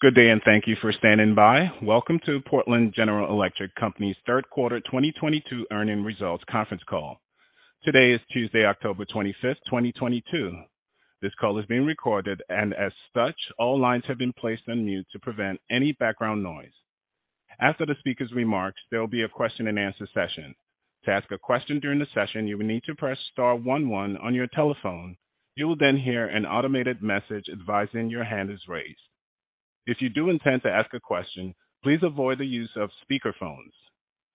Good day, and thank you for standing by. Welcome to Portland General Electric Company's third quarter 2022 earnings results conference call. Today is Tuesday, October 25, 2022. This call is being recorded, and as such, all lines have been placed on mute to prevent any background noise. After the speaker's remarks, there will be a question-and-answer session. To ask a question during the session, you will need to press star one one on your telephone. You will then hear an automated message advising your hand is raised. If you do intend to ask a question, please avoid the use of speakerphones.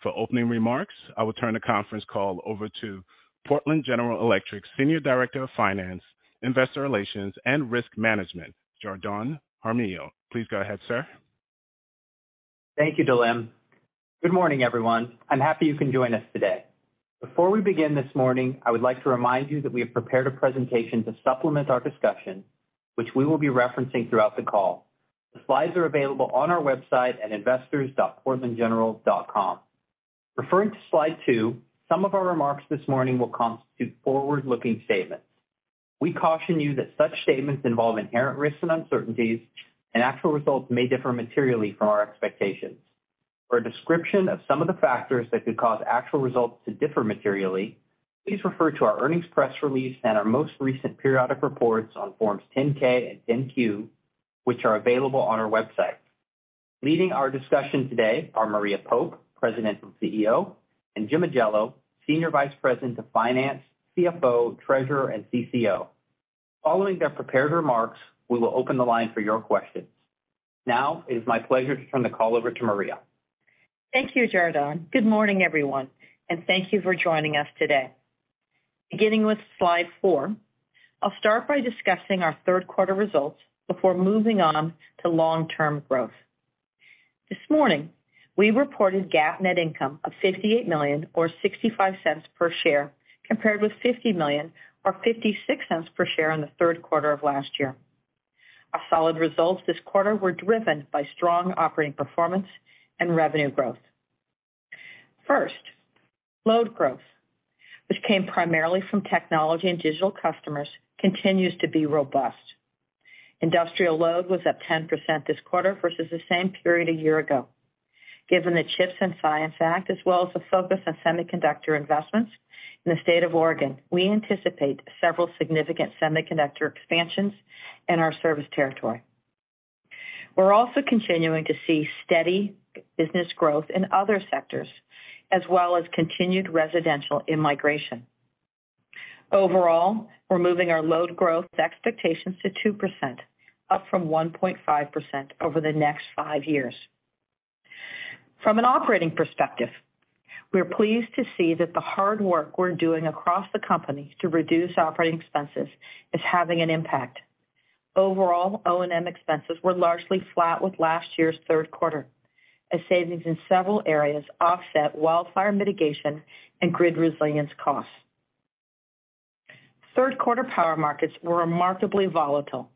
For opening remarks, I will turn the conference call over to Portland General Electric's Senior Director of Finance, Investor Relations, and Risk Management, Jardon Jaramillo. Please go ahead, sir. Thank you, Valerie. Good morning, everyone. I'm happy you can join us today. Before we begin this morning, I would like to remind you that we have prepared a presentation to supplement our discussion, which we will be referencing throughout the call. The slides are available on our website at investors.portlandgeneral.com. Referring to slide two, some of our remarks this morning will constitute forward-looking statements. We caution you that such statements involve inherent risks and uncertainties, and actual results may differ materially from our expectations. For a description of some of the factors that could cause actual results to differ materially, please refer to our earnings press release and our most recent periodic reports on Form 10-K and Form 10-Q, which are available on our website. Leading our discussion today are Maria Pope, President and CEO, and Jim Ajello, Senior Vice President of Finance, CFO, Treasurer, and CCO. Following their prepared remarks, we will open the line for your questions. Now it is my pleasure to turn the call over to Maria. Thank you, Jardon. Good morning, everyone, and thank you for joining us today. Beginning with slide 4, I'll start by discussing our third quarter results before moving on to long-term growth. This morning, we reported GAAP net income of $58 million or $0.65 per share, compared with $50 million or $0.56 per share in the third quarter of last year. Our solid results this quarter were driven by strong operating performance and revenue growth. First, load growth, which came primarily from technology and digital customers, continues to be robust. Industrial load was up 10% this quarter versus the same period a year ago. Given the CHIPS and Science Act, as well as the focus on semiconductor investments in the state of Oregon, we anticipate several significant semiconductor expansions in our service territory. We're also continuing to see steady business growth in other sectors, as well as continued residential immigration. Overall, we're moving our load growth expectations to 2%, up from 1.5% over the next 5 years. From an operating perspective, we are pleased to see that the hard work we're doing across the company to reduce operating expenses is having an impact. Overall, O&M expenses were largely flat with last year's third quarter as savings in several areas offset wildfire mitigation and grid resilience costs. Third quarter power markets were remarkably volatile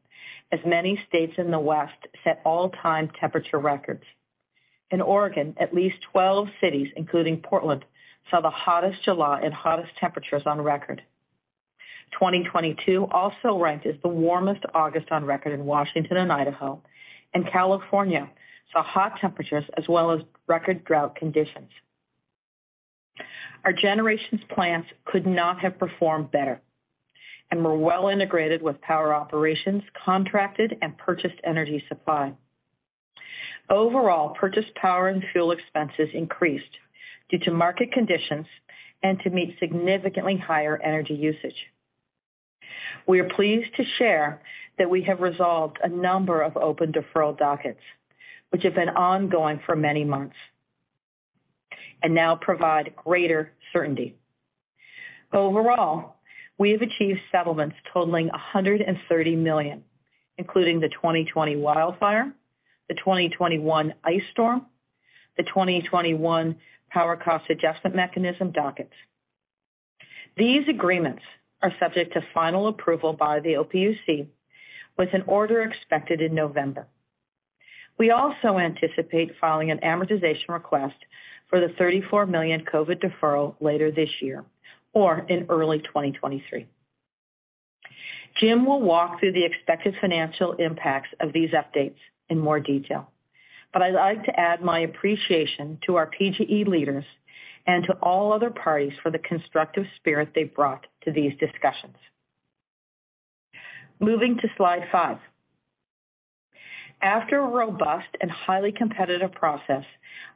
as many states in the West set all-time temperature records. In Oregon, at least 12 cities, including Portland, saw the hottest July and hottest temperatures on record. 2022 also ranked as the warmest August on record in Washington and Idaho, and California saw hot temperatures as well as record drought conditions. Our generation plants could not have performed better and were well integrated with power operations, contracted, and purchased energy supply. Overall, purchased power and fuel expenses increased due to market conditions and to meet significantly higher energy usage. We are pleased to share that we have resolved a number of open deferral dockets which have been ongoing for many months and now provide greater certainty. Overall, we have achieved settlements totaling $130 million, including the 2020 wildfire, the 2021 ice storm, the 2021 power cost adjustment mechanism dockets. These agreements are subject to final approval by the OPUC, with an order expected in November. We also anticipate filing an amortization request for the $34 million COVID deferral later this year or in early 2023. Jim will walk through the expected financial impacts of these updates in more detail, but I'd like to add my appreciation to our PGE leaders and to all other parties for the constructive spirit they've brought to these discussions. Moving to slide 5. After a robust and highly competitive process,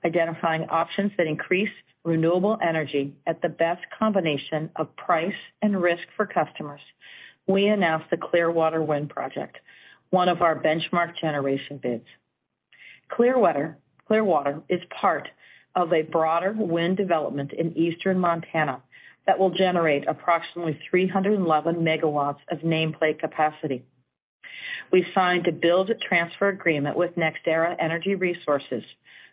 identifying options that increase renewable energy at the best combination of price and risk for customers, we announced the Clearwater Wind Project, one of our benchmark generation bids. Clearwater is part of a broader wind development in eastern Montana that will generate approximately 311 megawatts of nameplate capacity. We signed a build-transfer agreement with NextEra Energy Resources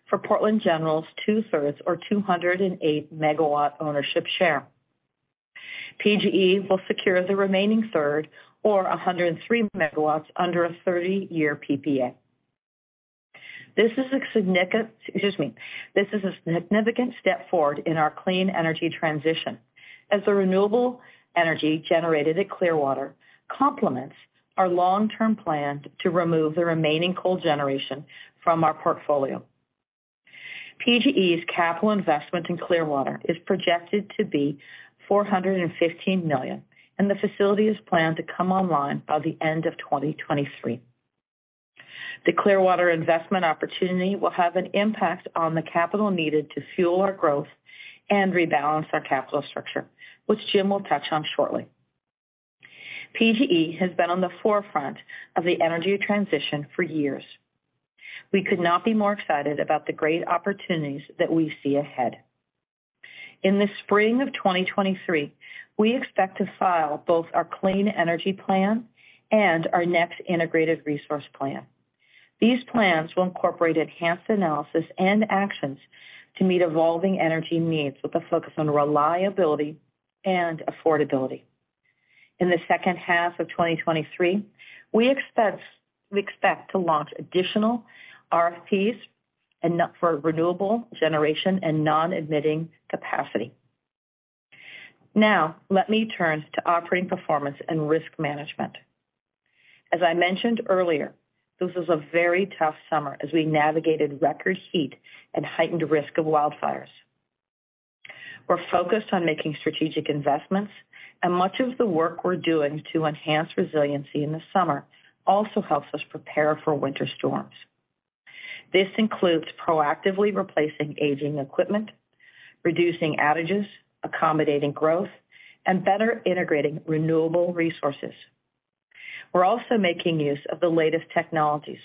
for Portland General's two-thirds or 208 megawatt ownership share. PGE will secure the remaining third or 103 megawatts under a 30-year PPA. This is a significant, excuse me. This is a significant step forward in our clean energy transition as the renewable energy generated at Clearwater complements our long-term plan to remove the remaining coal generation from our portfolio. PGE's capital investment in Clearwater is projected to be $415 million, and the facility is planned to come online by the end of 2023. The Clearwater investment opportunity will have an impact on the capital needed to fuel our growth and rebalance our capital structure, which Jim will touch on shortly. PGE has been on the forefront of the energy transition for years. We could not be more excited about the great opportunities that we see ahead. In the spring of 2023, we expect to file both our Clean Energy Plan and our next Integrated Resource Plan. These plans will incorporate enhanced analysis and actions to meet evolving energy needs with a focus on reliability and affordability. In the second half of 2023, we expect to launch additional RFPs for renewable generation and non-emitting capacity. Now let me turn to operating performance and risk management. As I mentioned earlier, this was a very tough summer as we navigated record heat and heightened risk of wildfires. We're focused on making strategic investments, and much of the work we're doing to enhance resiliency in the summer also helps us prepare for winter storms. This includes proactively replacing aging equipment, reducing outages, accommodating growth, and better integrating renewable resources. We're also making use of the latest technologies.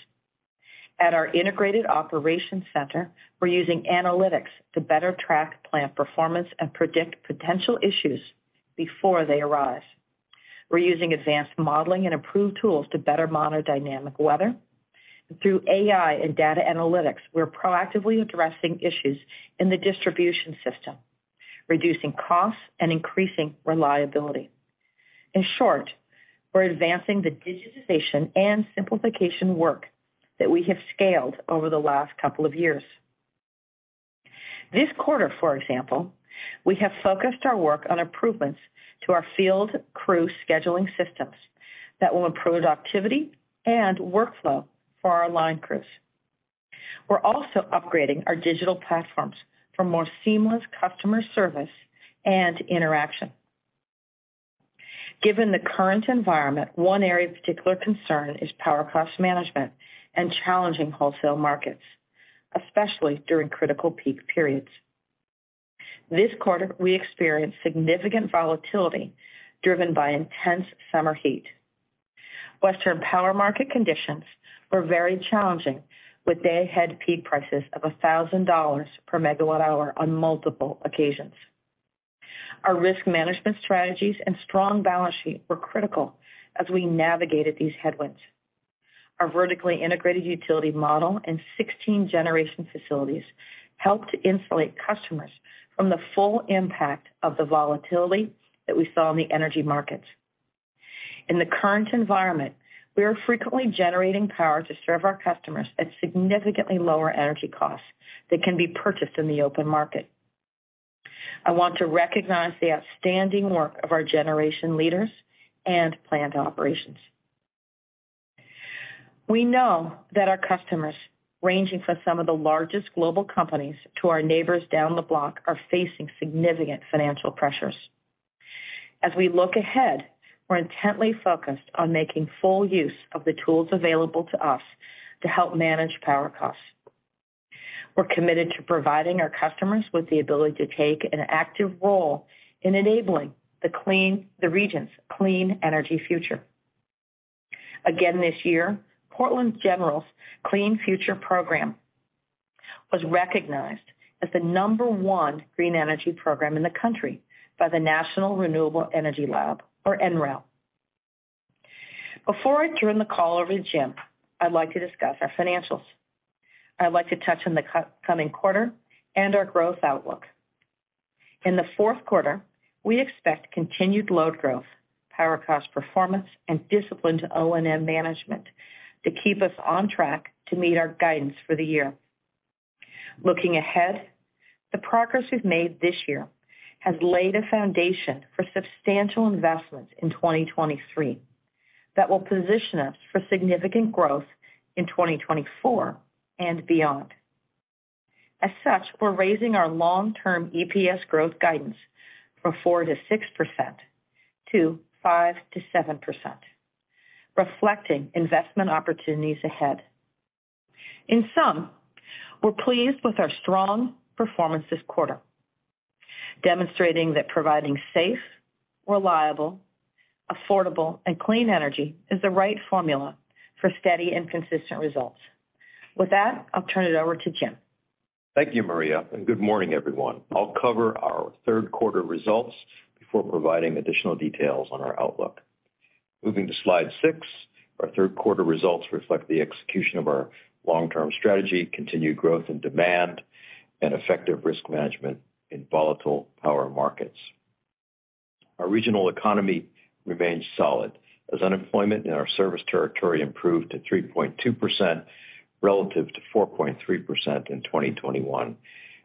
At our integrated operations center, we're using analytics to better track plant performance and predict potential issues before they arise. We're using advanced modeling and approved tools to better monitor dynamic weather. Through AI and data analytics, we're proactively addressing issues in the distribution system, reducing costs, and increasing reliability. In short, we're advancing the digitization and simplification work that we have scaled over the last couple of years. This quarter, for example, we have focused our work on improvements to our field crew scheduling systems that will improve productivity and workflow for our line crews. We're also upgrading our digital platforms for more seamless customer service and interaction. Given the current environment, one area of particular concern is power cost management and challenging wholesale markets, especially during critical peak periods. This quarter, we experienced significant volatility driven by intense summer heat. Western power market conditions were very challenging, with day-ahead peak prices of $1,000 per megawatt hour on multiple occasions. Our risk management strategies and strong balance sheet were critical as we navigated these headwinds. Our vertically integrated utility model and 16 generation facilities helped to insulate customers from the full impact of the volatility that we saw in the energy markets. In the current environment, we are frequently generating power to serve our customers at significantly lower energy costs that can be purchased in the open market. I want to recognize the outstanding work of our generation leaders and plant operations. We know that our customers, ranging from some of the largest global companies to our neighbors down the block, are facing significant financial pressures. As we look ahead, we're intently focused on making full use of the tools available to us to help manage power costs. We're committed to providing our customers with the ability to take an active role in enabling the region's clean energy future. Again, this year, Portland General's Green Future program was recognized as the number one green energy program in the country by the National Renewable Energy Laboratory, or NREL. Before I turn the call over to Jim, I'd like to discuss our financials. I'd like to touch on the coming quarter and our growth outlook. In the fourth quarter, we expect continued load growth, power cost performance, and disciplined O&M management to keep us on track to meet our guidance for the year. Looking ahead, the progress we've made this year has laid a foundation for substantial investment in 2023 that will position us for significant growth in 2024 and beyond. As such, we're raising our long-term EPS growth guidance from 4%-6% to 5%-7%, reflecting investment opportunities ahead. In sum, we're pleased with our strong performance this quarter, demonstrating that providing safe, reliable, affordable, and clean energy is the right formula for steady and consistent results. With that, I'll turn it over to Jim. Thank you, Maria, and good morning, everyone. I'll cover our third quarter results before providing additional details on our outlook. Moving to slide 6, our third quarter results reflect the execution of our long-term strategy, continued growth and demand, and effective risk management in volatile power markets. Our regional economy remains solid as unemployment in our service territory improved to 3.2% relative to 4.3% in 2021,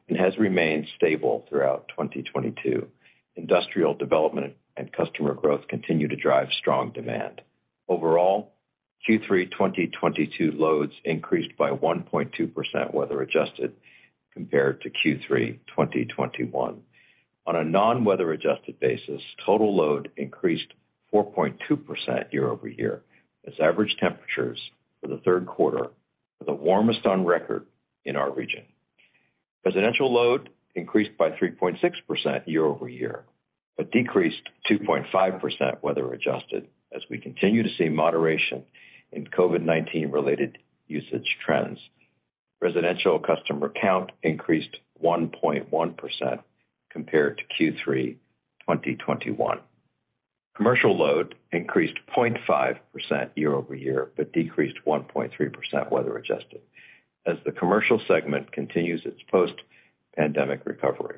and has remained stable throughout 2022. Industrial development and customer growth continue to drive strong demand. Overall, Q3 2022 loads increased by 1.2% weather adjusted compared to Q3 2021. On a non-weather adjusted basis, total load increased 4.2% year-over-year as average temperatures for the third quarter were the warmest on record in our region. Residential load increased by 3.6% year-over-year, but decreased 2.5% weather adjusted as we continue to see moderation in COVID-19 related usage trends. Residential customer count increased 1.1% compared to Q3 2021. Commercial load increased 0.5% year-over-year, but decreased 1.3% weather adjusted as the commercial segment continues its post-pandemic recovery.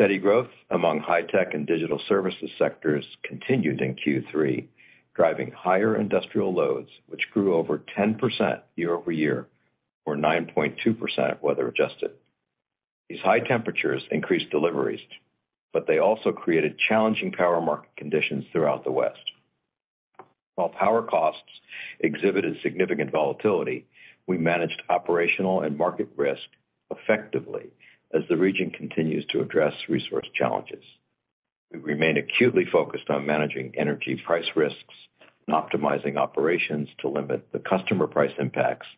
Steady growth among high-tech and digital services sectors continued in Q3, driving higher industrial loads, which grew over 10% year-over-year or 9.2% weather adjusted. These high temperatures increased deliveries, but they also created challenging power market conditions throughout the West. While power costs exhibited significant volatility, we managed operational and market risk effectively as the region continues to address resource challenges. We remain acutely focused on managing energy price risks and optimizing operations to limit the customer price impacts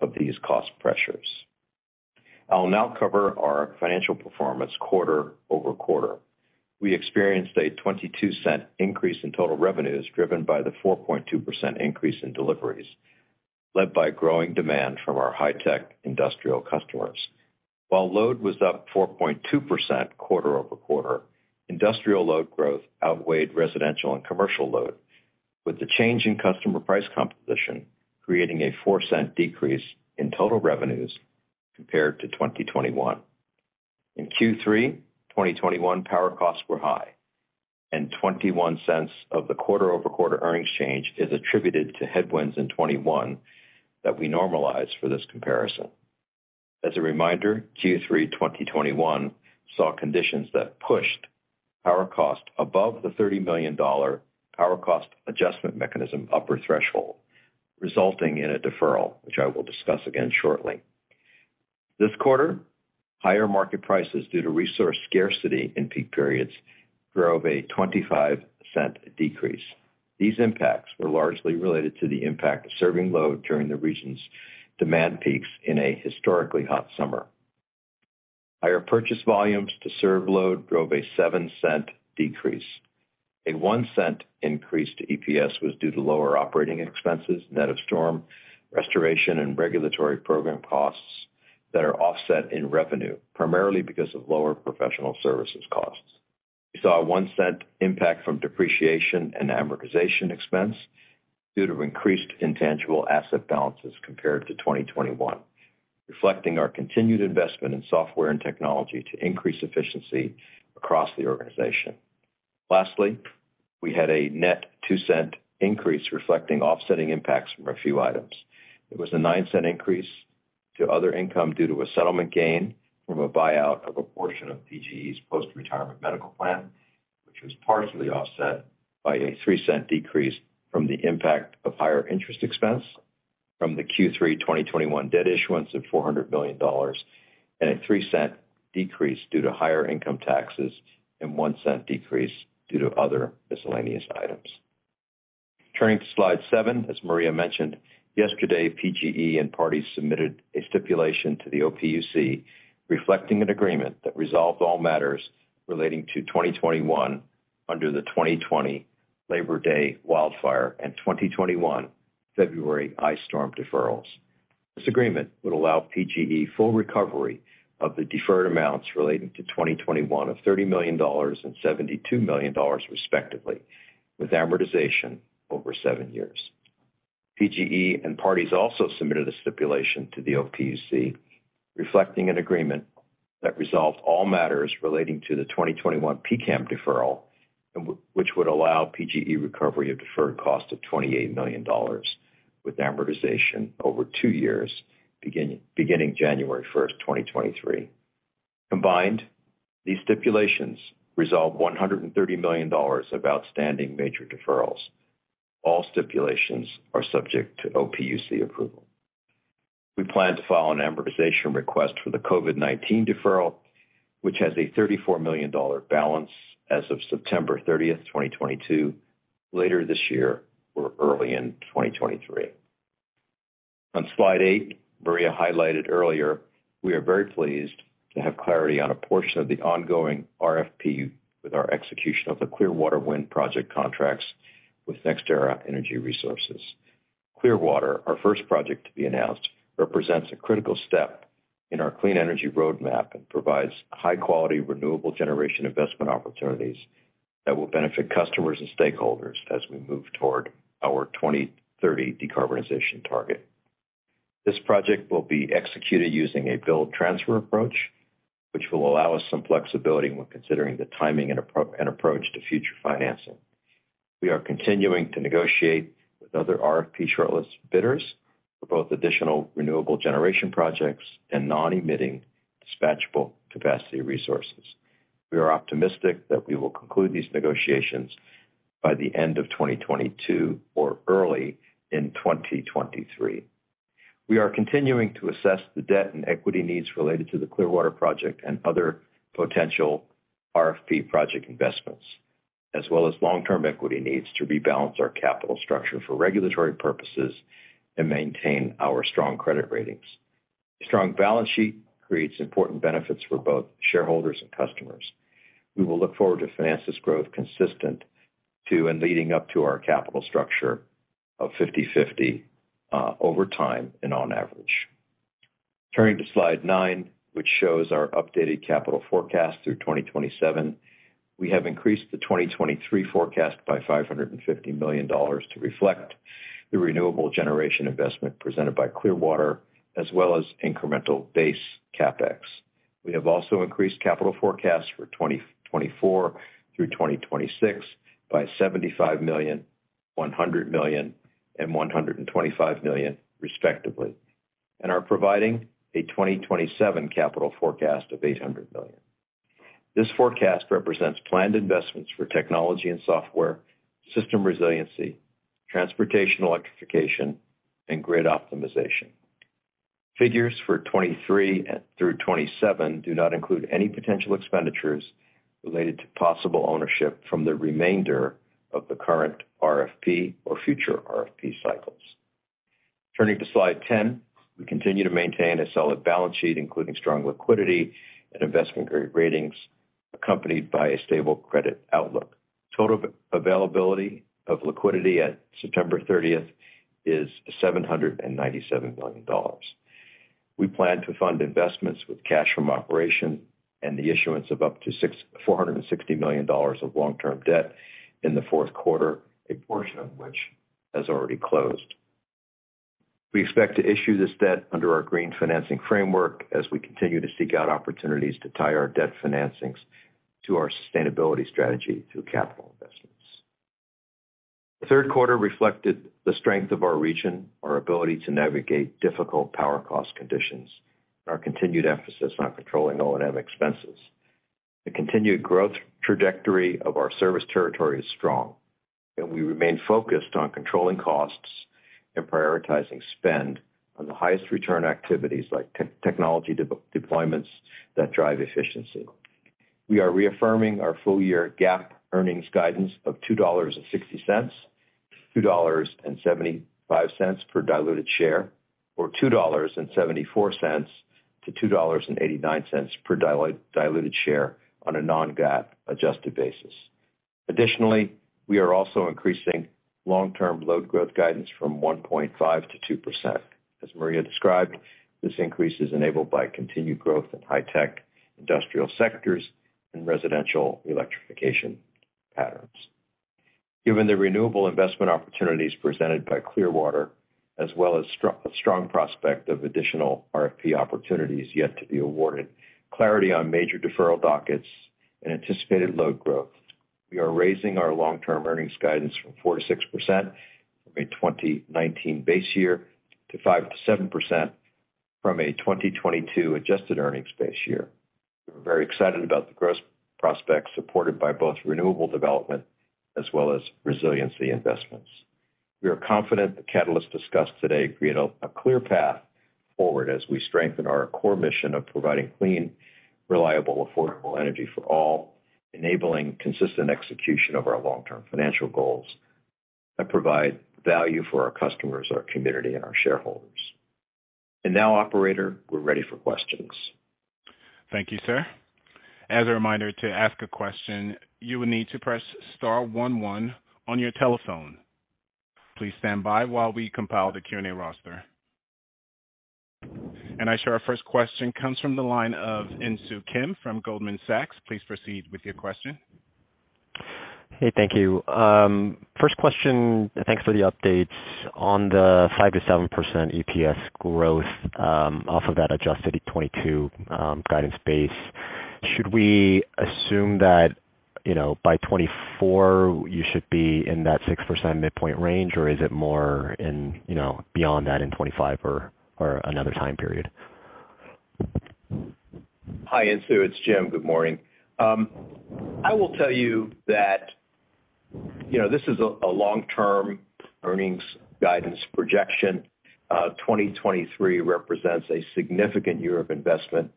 of these cost pressures. I'll now cover our financial performance quarter-over-quarter. We experienced a $0.22 increase in total revenues driven by the 4.2% increase in deliveries, led by growing demand from our high-tech industrial customers. While load was up 4.2% quarter-over-quarter, industrial load growth outweighed residential and commercial load, with the change in customer price composition creating a $0.04 decrease in total revenues compared to 2021. In Q3 2021, power costs were high, and $0.21 of the quarter-over-quarter earnings change is attributed to headwinds in 2021 that we normalize for this comparison. As a reminder, Q3 2021 saw conditions that pushed power cost above the $30 million power cost adjustment mechanism upper threshold, resulting in a deferral, which I will discuss again shortly. This quarter, higher market prices due to resource scarcity in peak periods drove a $0.25 decrease. These impacts were largely related to the impact of serving load during the region's demand peaks in a historically hot summer. Higher purchase volumes to serve load drove a $0.07 decrease. A $0.01 increase to EPS was due to lower operating expenses, net of storm restoration and regulatory program costs that are offset in revenue, primarily because of lower professional services costs. We saw a $0.01 impact from depreciation and amortization expense due to increased intangible asset balances compared to 2021, reflecting our continued investment in software and technology to increase efficiency across the organization. Lastly, we had a net 2-cent increase reflecting offsetting impacts from a few items. It was a 9-cent increase to other income due to a settlement gain from a buyout of a portion of PGE's post-retirement medical plan, which was partially offset by a 3-cent decrease from the impact of higher interest expense from the Q3 2021 debt issuance of $400 million, and a 3-cent decrease due to higher income taxes and 1-cent decrease due to other miscellaneous items. Turning to slide 7, as Maria mentioned yesterday, PGE and parties submitted a stipulation to the OPUC reflecting an agreement that resolved all matters relating to 2021 under the 2020 Labor Day wildfires and 2021 February ice storm deferrals. This agreement would allow PGE full recovery of the deferred amounts relating to 2021 of $30 million and $72 million respectively, with amortization over 7 years. PGE and parties also submitted a stipulation to the OPUC reflecting an agreement that resolved all matters relating to the 2021 PCAM deferral, and which would allow PGE recovery of deferred cost of $28 million with amortization over 2 years beginning January, 2023. Combined, these stipulations resolve $130 million of outstanding major deferrals. All stipulations are subject to OPUC approval. We plan to file an amortization request for the COVID-19 deferral, which has a $34 million balance as of September 30, 2022, later this year or early in 2023. On slide 8, Maria highlighted earlier we are very pleased to have clarity on a portion of the ongoing RFP with our execution of the Clearwater Wind Project contracts with NextEra Energy Resources. Clearwater, our first project to be announced, represents a critical step in our clean energy roadmap and provides high-quality, renewable generation investment opportunities that will benefit customers and stakeholders as we move toward our 2030 decarbonization target. This project will be executed using a build transfer approach, which will allow us some flexibility when considering the timing and approach to future financing. We are continuing to negotiate with other RFP shortlist bidders for both additional renewable generation projects and non-emitting dispatchable capacity resources. We are optimistic that we will conclude these negotiations by the end of 2022 or early in 2023. We are continuing to assess the debt and equity needs related to the Clearwater project and other potential RFP project investments, as well as long-term equity needs to rebalance our capital structure for regulatory purposes and maintain our strong credit ratings. Strong balance sheet creates important benefits for both shareholders and customers. We will look forward to finance this growth consistent to and leading up to our capital structure of 50/50 over time and on average. Turning to slide 9, which shows our updated capital forecast through 2027. We have increased the 2023 forecast by $550 million to reflect the renewable generation investment presented by Clearwater, as well as incremental base CapEx. We have also increased capital forecasts for 2024 through 2026 by $75 million, $100 million, and $125 million respectively, and are providing a 2027 capital forecast of $800 million. This forecast represents planned investments for technology and software, system resiliency, transportation electrification, and grid optimization. Figures for 2023 through 2027 do not include any potential expenditures related to possible ownership from the remainder of the current RFP or future RFP cycles. Turning to slide 10. We continue to maintain a solid balance sheet, including strong liquidity and investment-grade ratings, accompanied by a stable credit outlook. Total availability of liquidity at September 30 is $797 million. We plan to fund investments with cash from operations and the issuance of up to $460 million of long-term debt in the fourth quarter, a portion of which has already closed. We expect to issue this debt under our Green Financing Framework as we continue to seek out opportunities to tie our debt financings to our sustainability strategy through capital investments. The third quarter reflected the strength of our region, our ability to navigate difficult power cost conditions, our continued emphasis on controlling O&M expenses. The continued growth trajectory of our service territory is strong, and we remain focused on controlling costs and prioritizing spend on the highest return activities like technology deployments that drive efficiency. We are reaffirming our full year GAAP earnings guidance of $2.60-$2.75 per diluted share, or $2.74-$2.89 per diluted share on a non-GAAP adjusted basis. Additionally, we are also increasing long-term load growth guidance from 1.5%-2%. As Maria described, this increase is enabled by continued growth in high tech industrial sectors and residential electrification patterns. Given the renewable investment opportunities presented by Clearwater, as well as a strong prospect of additional RFP opportunities yet to be awarded, clarity on major deferral dockets and anticipated load growth, we are raising our long-term earnings guidance from 4%-6% from a 2019 base year to 5%-7% from a 2022 adjusted earnings base year. We're very excited about the growth prospects supported by both renewable development as well as resiliency investments. We are confident the catalysts discussed today create a clear path forward as we strengthen our core mission of providing clean, reliable, affordable energy for all, enabling consistent execution of our long-term financial goals that provide value for our customers, our community, and our shareholders. Now, operator, we're ready for questions. Thank you, sir. As a reminder to ask a question, you will need to press star one one on your telephone. Please stand by while we compile the Q&A roster. I show our first question comes from the line of Insoo Kim from Goldman Sachs. Please proceed with your question. Hey, thank you. First question, thanks for the updates. On the 5%-7% EPS growth, off of that adjusted 2022 guidance base, should we assume that, you know, by 2024 you should be in that 6% midpoint range, or is it more in, you know, beyond that in 2025 or another time period? Hi, Insoo, it's Jim. Good morning. I will tell you that, you know, this is a long-term earnings guidance projection. 2023 represents a significant year of investment.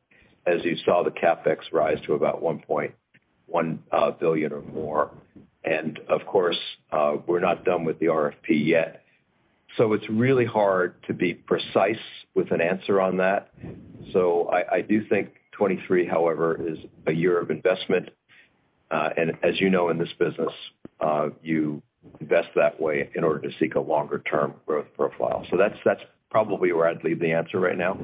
As you saw, the CapEx rise to about $1.1 billion or more. And of course, we're not done with the RFP yet. It's really hard to be precise with an answer on that. I do think 2023, however, is a year of investment. And as you know, in this business, you invest that way in order to seek a longer-term growth profile. That's probably where I'd leave the answer right now.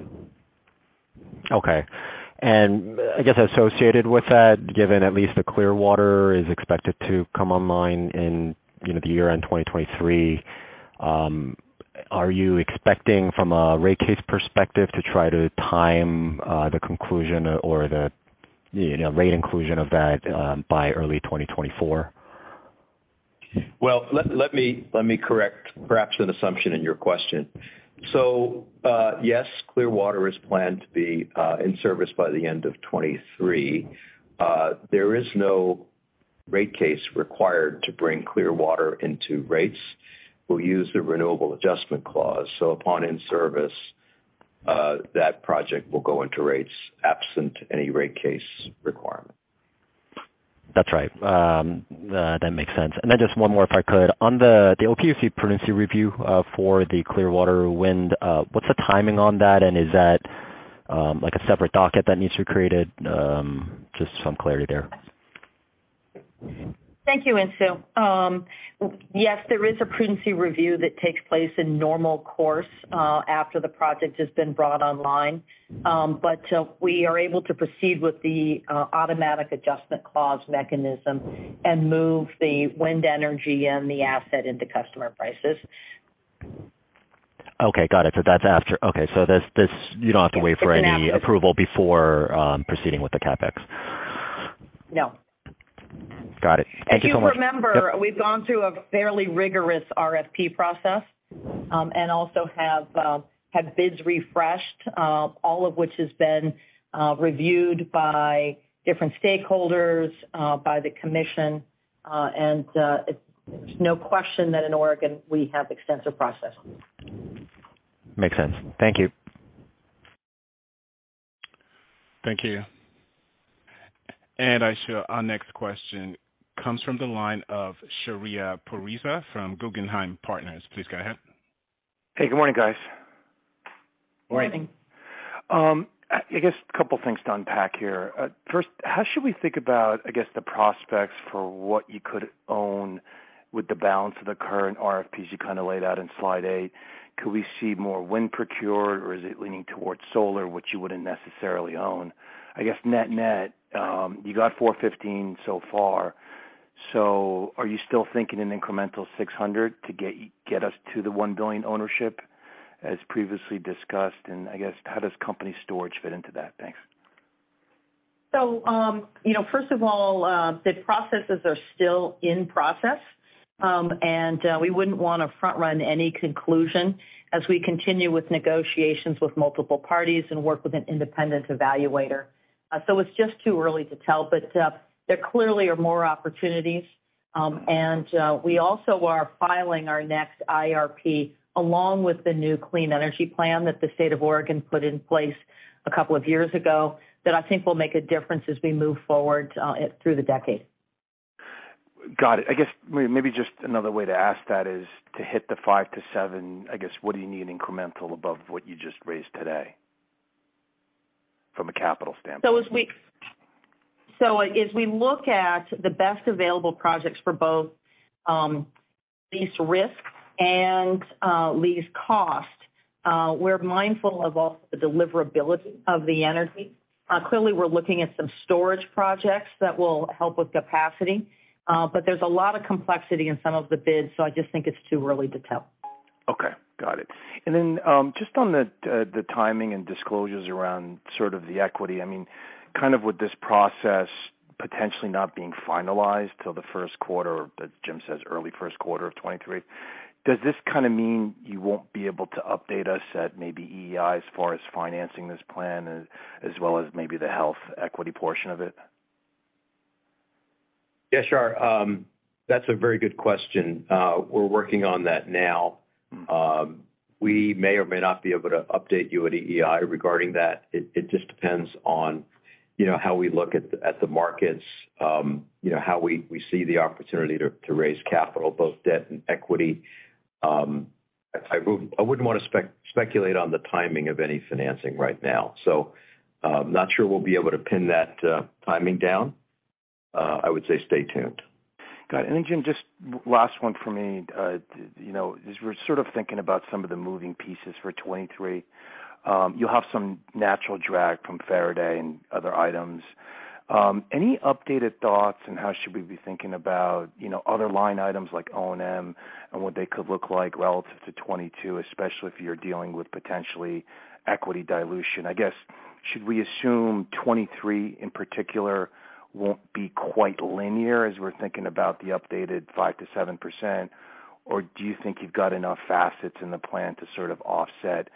Okay. I guess associated with that, given at least the Clearwater is expected to come online in, you know, the year-end 2023, are you expecting from a rate case perspective to try to time the conclusion or the, you know, rate inclusion of that by early 2024? Well, let me correct perhaps an assumption in your question. Yes, Clearwater is planned to be in service by the end of 2023. There is no rate case required to bring Clearwater into rates. We'll use the Renewable Adjustment Clause. Upon in-service, that project will go into rates absent any rate case requirement. That's right. That makes sense. Just one more, if I could. On the OPUC prudence review for the Clearwater Wind, what's the timing on that? Is that like a separate docket that needs to be created? Just some clarity there. Thank you, Insoo. Yes, there is a prudency review that takes place in normal course after the project has been brought online. We are able to proceed with the automatic adjustment clause mechanism and move the wind energy and the asset into customer prices. Okay. Got it. That's after. Okay. This you don't have to wait for. It's an after.... any approval before proceeding with the CapEx. No. Got it. Thank you so much. If you remember. Yep. We've gone through a fairly rigorous RFP process, and also have had bids refreshed, all of which has been reviewed by different stakeholders, by the commission, and it's no question that in Oregon we have extensive processes. Makes sense. Thank you. Thank you. I show our next question comes from the line of Shahriar Pourreza from Guggenheim Partners. Please go ahead. Hey, good morning, guys. Morning. Morning. I guess a couple things to unpack here. First, how should we think about, I guess, the prospects for what you could own with the balance of the current RFPs you kind of laid out in slide eight? Could we see more wind procured, or is it leaning towards solar, which you wouldn't necessarily own? I guess net-net, you got $415 million so far. So are you still thinking an incremental $600 million to get us to the $1 billion ownership as previously discussed? I guess, how does company storage fit into that? Thanks. You know, first of all, the processes are still in process, and we wouldn't wanna front run any conclusion as we continue with negotiations with multiple parties and work with an independent evaluator. It's just too early to tell, but there clearly are more opportunities. We also are filing our next IRP along with the new Clean Energy Plan that the state of Oregon put in place a couple of years ago that I think will make a difference as we move forward through the decade. Got it. I guess maybe just another way to ask that is to hit the 5-7, I guess, what do you need incremental above what you just raised today from a capital standpoint? As we look at the best available projects for both, least risk and, least cost, we're mindful of all the deliverability of the energy. Clearly, we're looking at some storage projects that will help with capacity, but there's a lot of complexity in some of the bids, so I just think it's too early to tell. Okay, got it. Just on the timing and disclosures around sort of the equity, I mean, kind of with this process potentially not being finalized till the first quarter, Jim says early first quarter of 2023, does this kinda mean you won't be able to update us at maybe EEI as far as financing this plan as well as maybe the health equity portion of it? Yeah, sure. That's a very good question. We're working on that now. We may or may not be able to update you at EEI regarding that. It just depends on, you know, how we look at the markets, you know, how we see the opportunity to raise capital, both debt and equity. I wouldn't wanna speculate on the timing of any financing right now. Not sure we'll be able to pin that timing down. I would say stay tuned. Got it. Jim, just last one for me. You know, as we're sort of thinking about some of the moving pieces for 2023, you'll have some natural drag from Faraday and other items. Any updated thoughts on how should we be thinking about, you know, other line items like O&M and what they could look like relative to 2022, especially if you're dealing with potentially equity dilution? I guess, should we assume 2023 in particular won't be quite linear as we're thinking about the updated 5%-7%? Or do you think you've got enough facets in the plan to sort of offset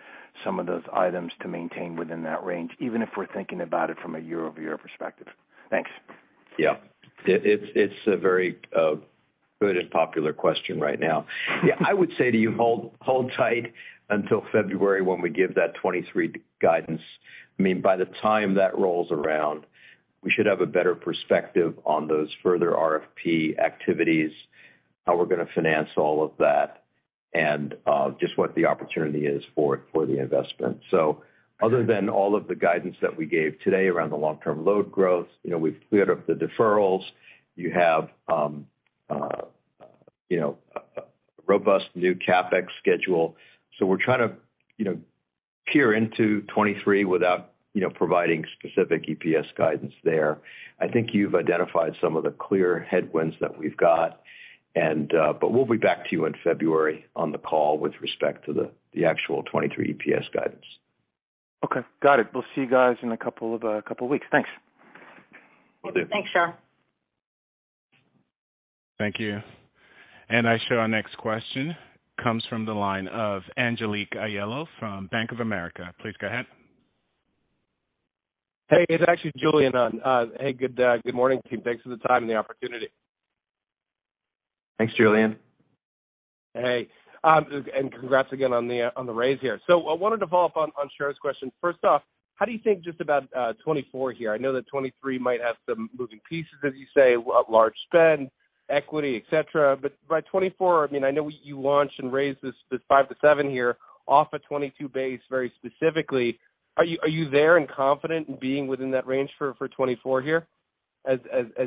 some of those items to maintain within that range, even if we're thinking about it from a year-over-year perspective? Thanks. It's a very good and popular question right now. I would say to you, hold tight until February when we give that 2023 guidance. I mean, by the time that rolls around, we should have a better perspective on those further RFP activities, how we're gonna finance all of that, and just what the opportunity is for the investment. Other than all of the guidance that we gave today around the long-term load growth, you know, we've cleared up the deferrals. You have. You know, a robust new CapEx schedule. We're trying to, you know, peer into 2023 without, you know, providing specific EPS guidance there. I think you've identified some of the clear headwinds that we've got and, but we'll be back to you in February on the call with respect to the actual 2023 EPS guidance. Okay. Got it. We'll see you guys in a couple of weeks. Thanks. Will do. Thanks, Shahriar Thank you. I show our next question comes from the line of Julien Dumoulin-Smith from Bank of America. Please go ahead. Hey, it's actually Julien on. Hey, good morning, team. Thanks for the time and the opportunity. Thanks, Julian. Hey, congrats again on the raise here. I want to follow up on Shahriar's question. First off, how do you think just about 2024 here? I know that 2023 might have some moving pieces, as you say, large spend, equity, et cetera. By 2024, I mean, I know you launched and raised this 5-7 here off a 2022 base very specifically. Are you there and confident in being within that range for 2024 here as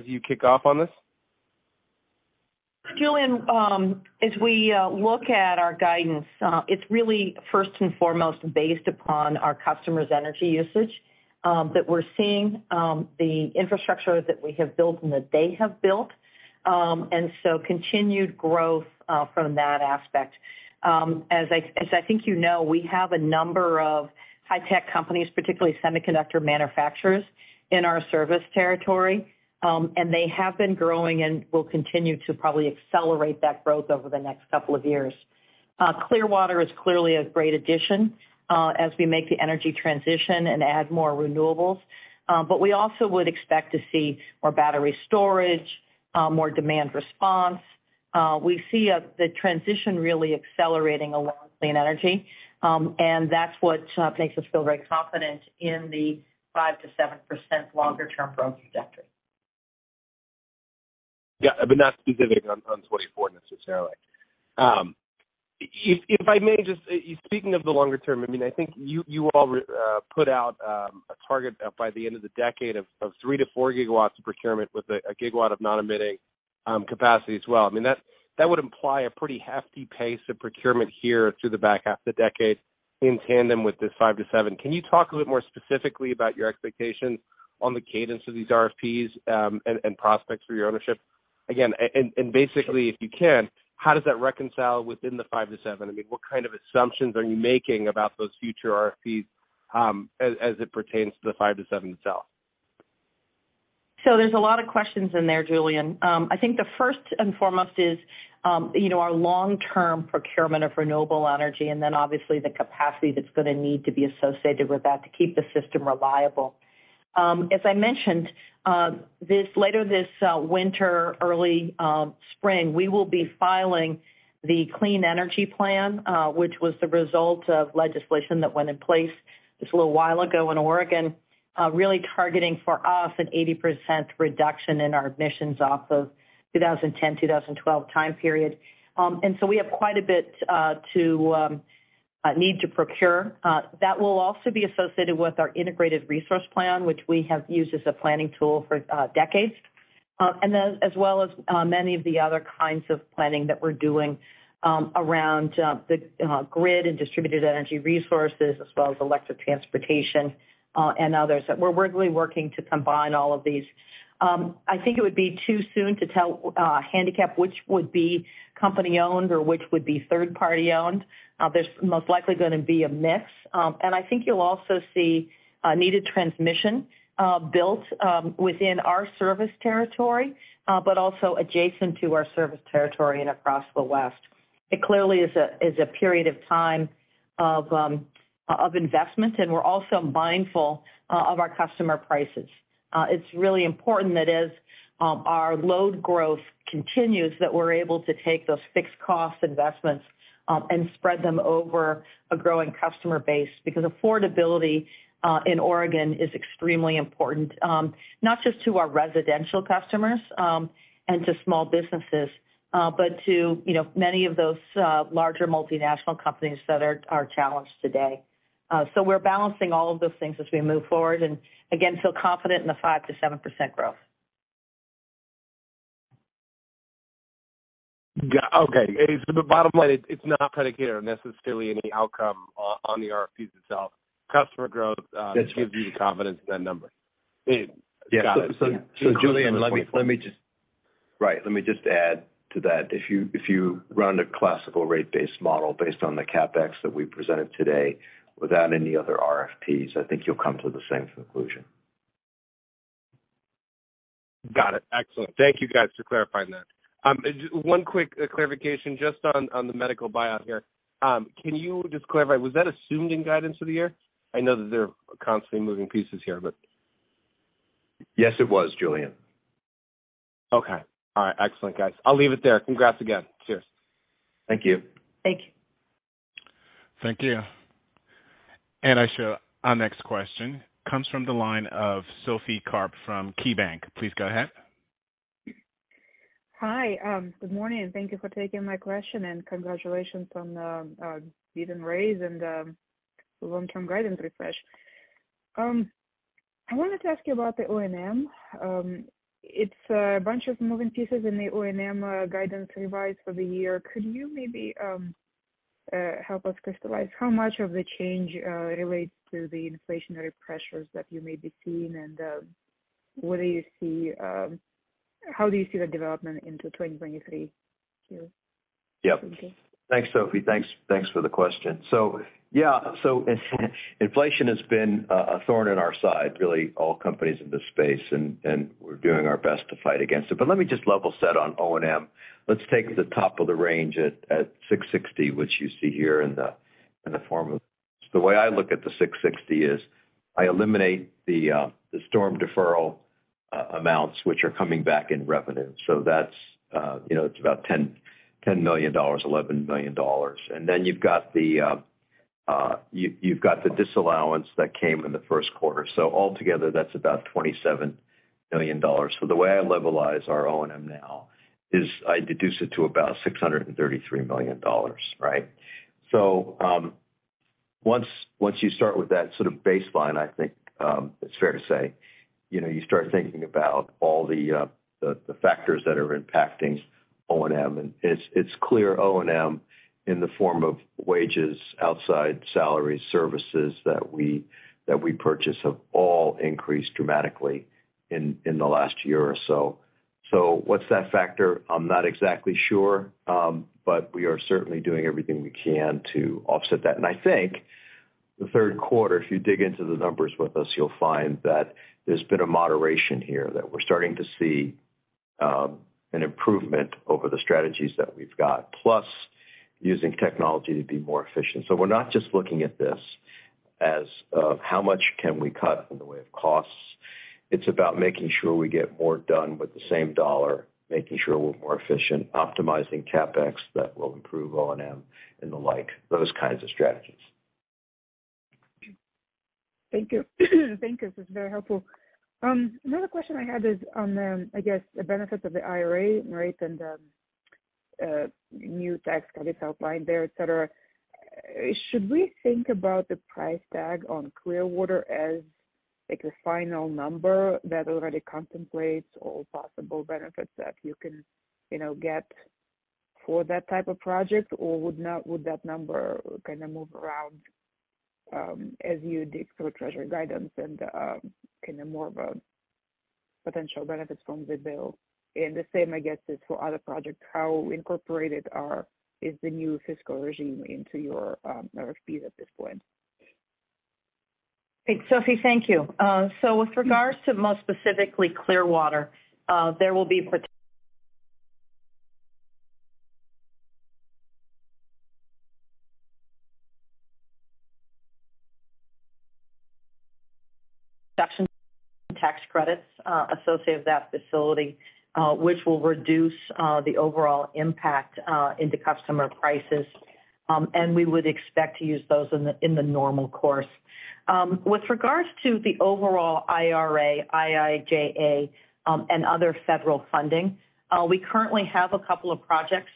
you kick off on this? Julien, as we look at our guidance, it's really first and foremost based upon our customers' energy usage that we're seeing, the infrastructure that we have built and that they have built, and so continued growth from that aspect. As I think you know, we have a number of high tech companies, particularly semiconductor manufacturers, in our service territory, and they have been growing and will continue to probably accelerate that growth over the next couple of years. Clearwater is clearly a great addition, as we make the energy transition and add more renewables. But we also would expect to see more battery storage, more demand response. We see the transition really accelerating along clean energy, and that's what makes us feel very confident in the 5%-7% longer term growth trajectory. Yeah, not specific on 2024 necessarily. If I may, speaking of the longer term, I mean, I think you all put out a target by the end of the decade of 3-4 gigawatts of procurement with 1 gigawatt of non-emitting capacity as well. I mean, that would imply a pretty hefty pace of procurement here through the back half of the decade in tandem with this 5-7. Can you talk a bit more specifically about your expectations on the cadence of these RFPs and prospects for your ownership? Again, basically, if you can, how does that reconcile within the 5-7? I mean, what kind of assumptions are you making about those future RFPs as it pertains to the 5-7 itself? There's a lot of questions in there, Julien. I think the first and foremost is, you know, our long term procurement of renewable energy, and then obviously the capacity that's going to need to be associated with that to keep the system reliable. As I mentioned, later this winter, early spring, we will be filing the Clean Energy Plan, which was the result of legislation that went in place just a little while ago in Oregon, really targeting for us an 80% reduction in our emissions off of 2010-2012 time period. We have quite a bit to procure. That will also be associated with our Integrated Resource Plan, which we have used as a planning tool for decades. As well as many of the other kinds of planning that we're doing around the grid and distributed energy resources as well as electric transportation and others that we're really working to combine all of these. I think it would be too soon to tell handicap which would be company owned or which would be third party owned. There's most likely gonna be a mix. I think you'll also see needed transmission built within our service territory but also adjacent to our service territory and across the West. It clearly is a period of time of investment, and we're also mindful of our customer prices. It's really important that as our load growth continues that we're able to take those fixed cost investments and spread them over a growing customer base, because affordability in Oregon is extremely important, not just to our residential customers and to small businesses, but to, you know, many of those larger multinational companies that are challenged today. We're balancing all of those things as we move forward, and again, feel confident in the 5%-7% growth. Okay. The bottom line, it's not predicated on necessarily any outcome on the RFPs itself. Customer growth, That should give you the confidence in that number. Got it. Julien, right, let me just add to that. If you run a classical rate-based model based on the CapEx that we presented today without any other RFPs, I think you'll come to the same conclusion. Got it. Excellent. Thank you guys for clarifying that. Just one quick clarification just on the medical buyout here. Can you just clarify, was that assumed in guidance for the year? I know that there are constantly moving pieces here. Yes, it was, Julien. Okay. All right. Excellent guys. I'll leave it there. Congrats again. Cheers. Thank you. Thank you. Thank you. Our next question comes from the line of Sophie Karp from KeyBanc. Please go ahead. Hi. Good morning, and thank you for taking my question, and congratulations on the guidance raise and the long-term guidance refresh. I wanted to ask you about the O&M. It's a bunch of moving pieces in the O&M guidance revision for the year. Could you maybe help us crystallize how much of the change relates to the inflationary pressures that you may be seeing and how do you see the development into 2023? Yeah. Okay. Thanks, Sophie. Thanks for the question. Inflation has been a thorn in our side, really all companies in this space, and we're doing our best to fight against it. Let me just level set on O&M. Let's take the top of the range at 660, which you see here in the form of. The way I look at the 660 is I eliminate the storm deferral amounts which are coming back in revenue. That's you know, it's about $10 million, $11 million. You've got the disallowance that came in the first quarter. Altogether, that's about $27 million. The way I levelize our O&M now is I deduce it to about $633 million, right? Once you start with that sort of baseline, I think it's fair to say, you know, you start thinking about all the factors that are impacting O&M, and it's clear O&M in the form of wages outside salary services that we purchase have all increased dramatically in the last year or so. What's that factor? I'm not exactly sure, but we are certainly doing everything we can to offset that. I think the third quarter, if you dig into the numbers with us, you'll find that there's been a moderation here, that we're starting to see an improvement over the strategies that we've got, plus using technology to be more efficient. We're not just looking at this as how much can we cut in the way of costs. It's about making sure we get more done with the same dollar, making sure we're more efficient, optimizing CapEx that will improve O&M and the like, those kinds of strategies. Thank you. Thank you. This is very helpful. Another question I had is on the, I guess, the benefits of the IRA, right, and the new tax credits outlined there, et cetera. Should we think about the price tag on Clearwater as, like, a final number that already contemplates all possible benefits that you can, you know, get for that type of project? Or would that number kinda move around, as you dig through treasury guidance and, kinda more of a potential benefits from the bill? And the same, I guess, is for other projects. How incorporated is the new fiscal regime into your RFP at this point? Thanks, Sophie. Thank you. With regards to most specifically Clearwater, there will be production tax credits associated with that facility, which will reduce the overall impact to customer prices. We would expect to use those in the normal course. With regards to the overall IRA, IIJA, and other federal funding, we currently have a couple of projects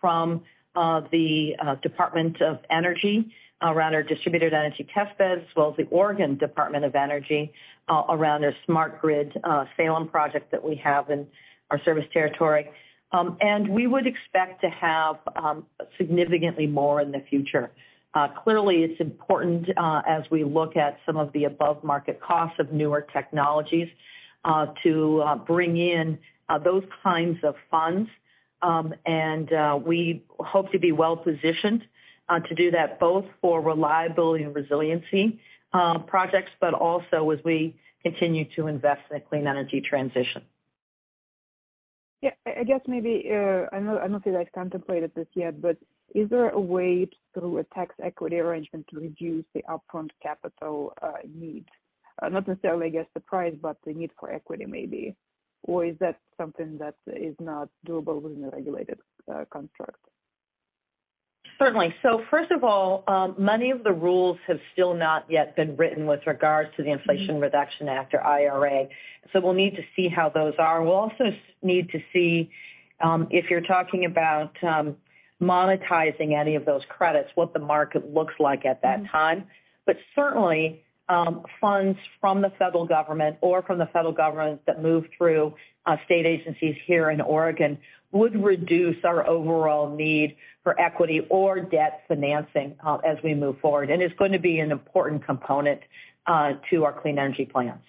from the Department of Energy around our distributed energy test beds, as well as the Oregon Department of Energy around their smart grid Salem project that we have in our service territory. We would expect to have significantly more in the future. Clearly, it's important as we look at some of the above-market costs of newer technologies to bring in those kinds of funds. We hope to be well-positioned to do that both for reliability and resiliency projects, but also as we continue to invest in a clean energy transition. Yeah. I guess maybe I don't think I've contemplated this yet, but is there a way through a tax equity arrangement to reduce the upfront capital needs? Not necessarily, I guess, the price, but the need for equity maybe. Or is that something that is not doable within a regulated contract? Certainly. First of all, many of the rules have still not yet been written with regards to the Inflation Reduction Act or IRA. We'll need to see how those are. We'll also need to see if you're talking about monetizing any of those credits, what the market looks like at that time. Certainly, funds from the federal government or from the federal government that move through state agencies here in Oregon would reduce our overall need for equity or debt financing, as we move forward, and it's going to be an important component to our clean energy plans.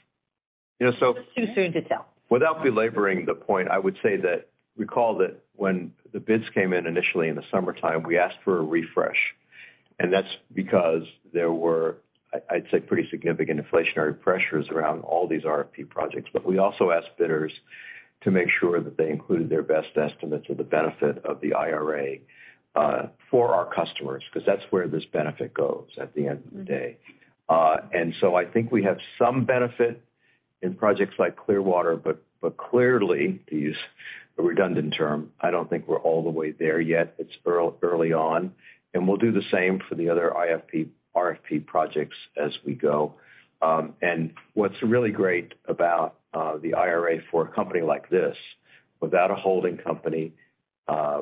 You know. Too soon to tell. Without belaboring the point, I would say that recall that when the bids came in initially in the summertime, we asked for a refresh, and that's because there were, I'd say, pretty significant inflationary pressures around all these RFP projects. We also asked bidders to make sure that they included their best estimates of the benefit of the IRA, for our customers, 'cause that's where this benefit goes at the end of the day. I think we have some benefit in projects like Clearwater, but clearly, to use a redundant term, I don't think we're all the way there yet. It's early on, and we'll do the same for the other RFP projects as we go. What's really great about the IRA for a company like this, without a holding company,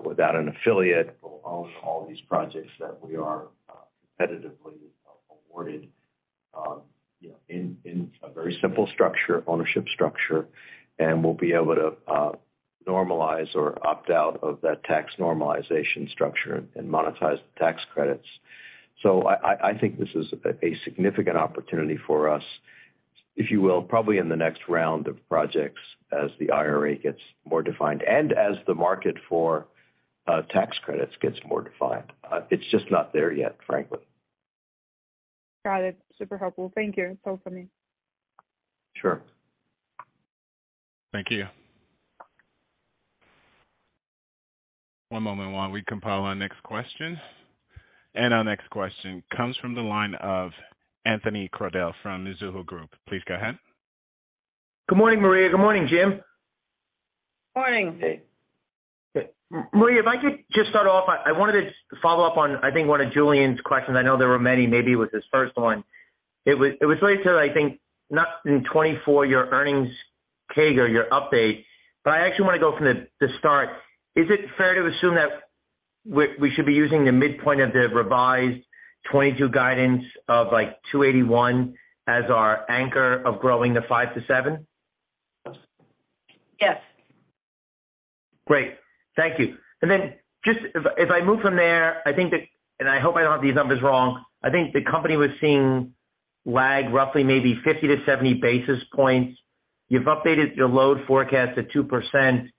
without an affiliate, we'll own all these projects that we are competitively awarded, you know, in a very simple ownership structure, and we'll be able to normalize or opt out of that tax normalization structure and monetize the tax credits. I think this is a significant opportunity for us, if you will, probably in the next round of projects as the IRA gets more defined and as the market for tax credits gets more defined. It's just not there yet, frankly. Got it. Super helpful. Thank you. It's helpful for me. Sure. Thank you. One moment while we compile our next question. Our next question comes from the line of Anthony Crowdell from Mizuho Group. Please go ahead. Good morning, Maria. Good morning, Jim. Morning. Good. Maria Pope, if I could just start off, I wanted to follow up on, I think one of Julien's questions. I know there were many, maybe it was his first one. It was related to, I think, not in 2024, your earnings CAGR, your update, but I actually want to go from the start. Is it fair to assume that we should be using the midpoint of the revised 2022 guidance of, like, $2.81 as our anchor of growing to 5%-7%? Yes. Great. Thank you. Just if I move from there, I think that, and I hope I don't have these numbers wrong, I think the company was seeing lag roughly maybe 50-70 basis points. You've updated your load forecast to 2%.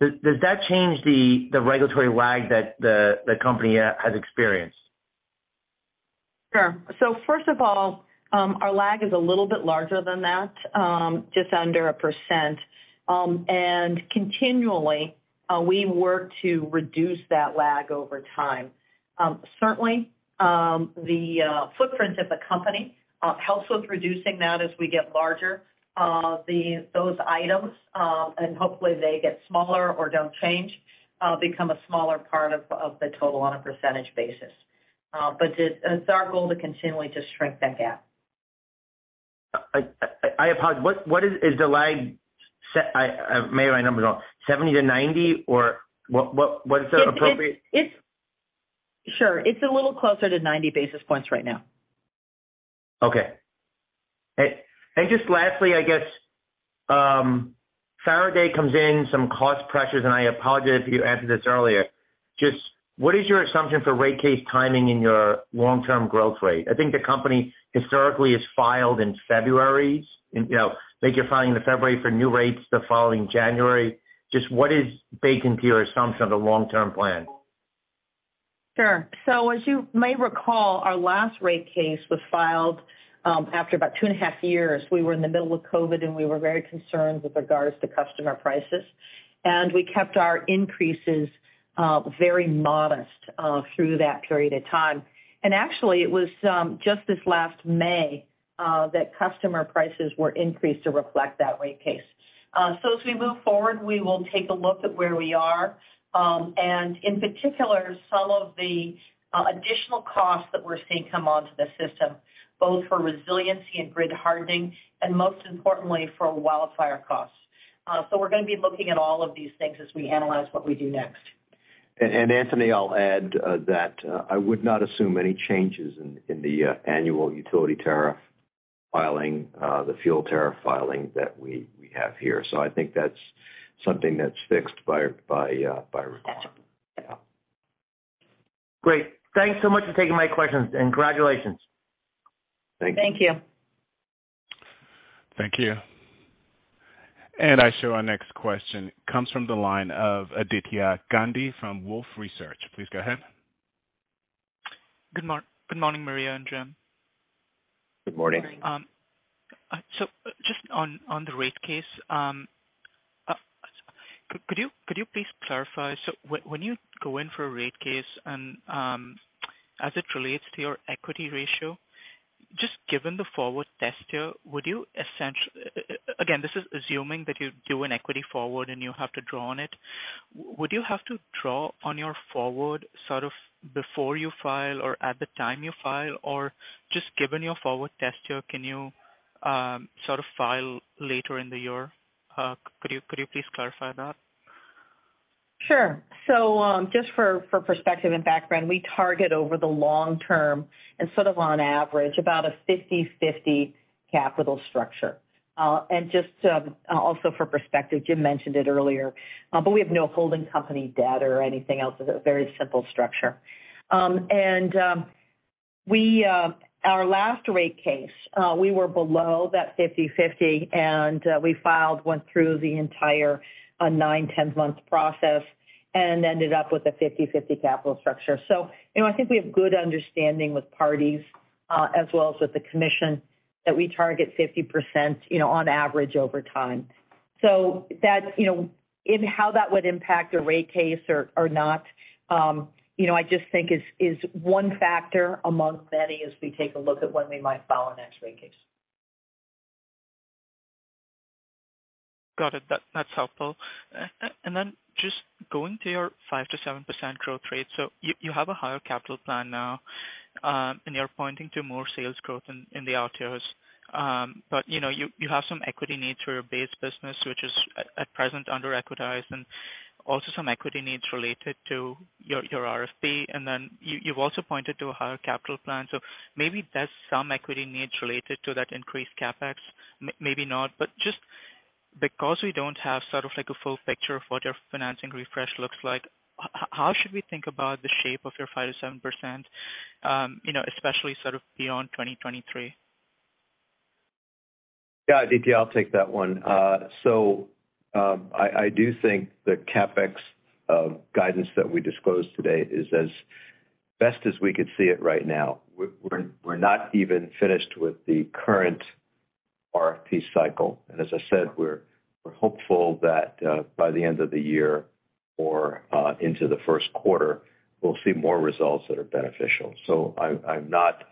Does that change the regulatory lag that the company has experienced? Sure. First of all, our lag is a little bit larger than that, just under 1%. Continually, we work to reduce that lag over time. Certainly, the footprint of the company helps with reducing that as we get larger. Those items, and hopefully they get smaller or don't change, become a smaller part of the total on a percentage basis. It's our goal to continually just shrink that gap. I apologize. I may have my numbers wrong. 70 to 90 or what is the appropriate? Sure. It's a little closer to 90 basis points right now. Okay. Just lastly, I guess, for today comes in some cost pressures, and I apologize if you answered this earlier. Just what is your assumption for rate case timing in your long-term growth rate? I think the company historically has filed in February. You know, I think you're filing in February for new rates, the following January. Just what is baked into your assumption of the long-term plan? Sure. As you may recall, our last rate case was filed after about 2.5 years. We were in the middle of COVID, and we were very concerned with regards to customer prices. We kept our increases very modest through that period of time. Actually, it was just this last May that customer prices were increased to reflect that rate case. As we move forward, we will take a look at where we are and in particular, some of the additional costs that we're seeing come onto the system, both for resiliency and grid hardening, and most importantly, for wildfire costs. We're going to be looking at all of these things as we analyze what we do next. Anthony, I'll add that I would not assume any changes in the annual utility tariff filing, the fuel tariff filing that we have here. I think that's something that's fixed by regulation. Gotcha. Yeah. Great. Thanks so much for taking my questions, and congratulations. Thank you. Thank you. Thank you. I show our next question comes from the line of Aditya Gandhi from Wolfe Research. Please go ahead. Good morning, Maria and Jim. Good morning. Good morning. Just on the rate case, could you please clarify? When you go in for a rate case and as it relates to your equity ratio, just given the forward test here, would you again, this is assuming that you do an equity forward and you have to draw on it. Would you have to draw on your forward sort of before you file or at the time you file? Just given your forward test here, can you sort of file later in the year? Could you please clarify that? Sure. Just for perspective and background, we target over the long term and sort of on average about a 50/50 capital structure. Just also for perspective, Jim mentioned it earlier. We have no holding company debt or anything else. It's a very simple structure. Our last rate case, we were below that 50/50, and we filed, went through the entire 9-10 month process and ended up with a 50/50 capital structure. You know, I think we have good understanding with parties as well as with the commission that we target 50%, you know, on average over time. That's, you know, in how that would impact a rate case or not, you know, I just think is one factor amongst many as we take a look at when we might file our next rate case. Got it. That's helpful. Then just going to your 5%-7% growth rate. You have a higher capital plan now. You're pointing to more sales growth in the RTOs. You know, you have some equity needs for your base business, which is at present under-equitized, and also some equity needs related to your RFP, and then you've also pointed to a higher capital plan. Maybe there's some equity needs related to that increased CapEx, maybe not. Just because we don't have sort of like a full picture of what your financing refresh looks like, how should we think about the shape of your 5%-7%, you know, especially sort of beyond 2023? Yeah, Aditya, I'll take that one. I do think the CapEx guidance that we disclosed today is as best as we could see it right now. We're not even finished with the current RFP cycle. As I said, we're hopeful that by the end of the year or into the first quarter, we'll see more results that are beneficial. I'm not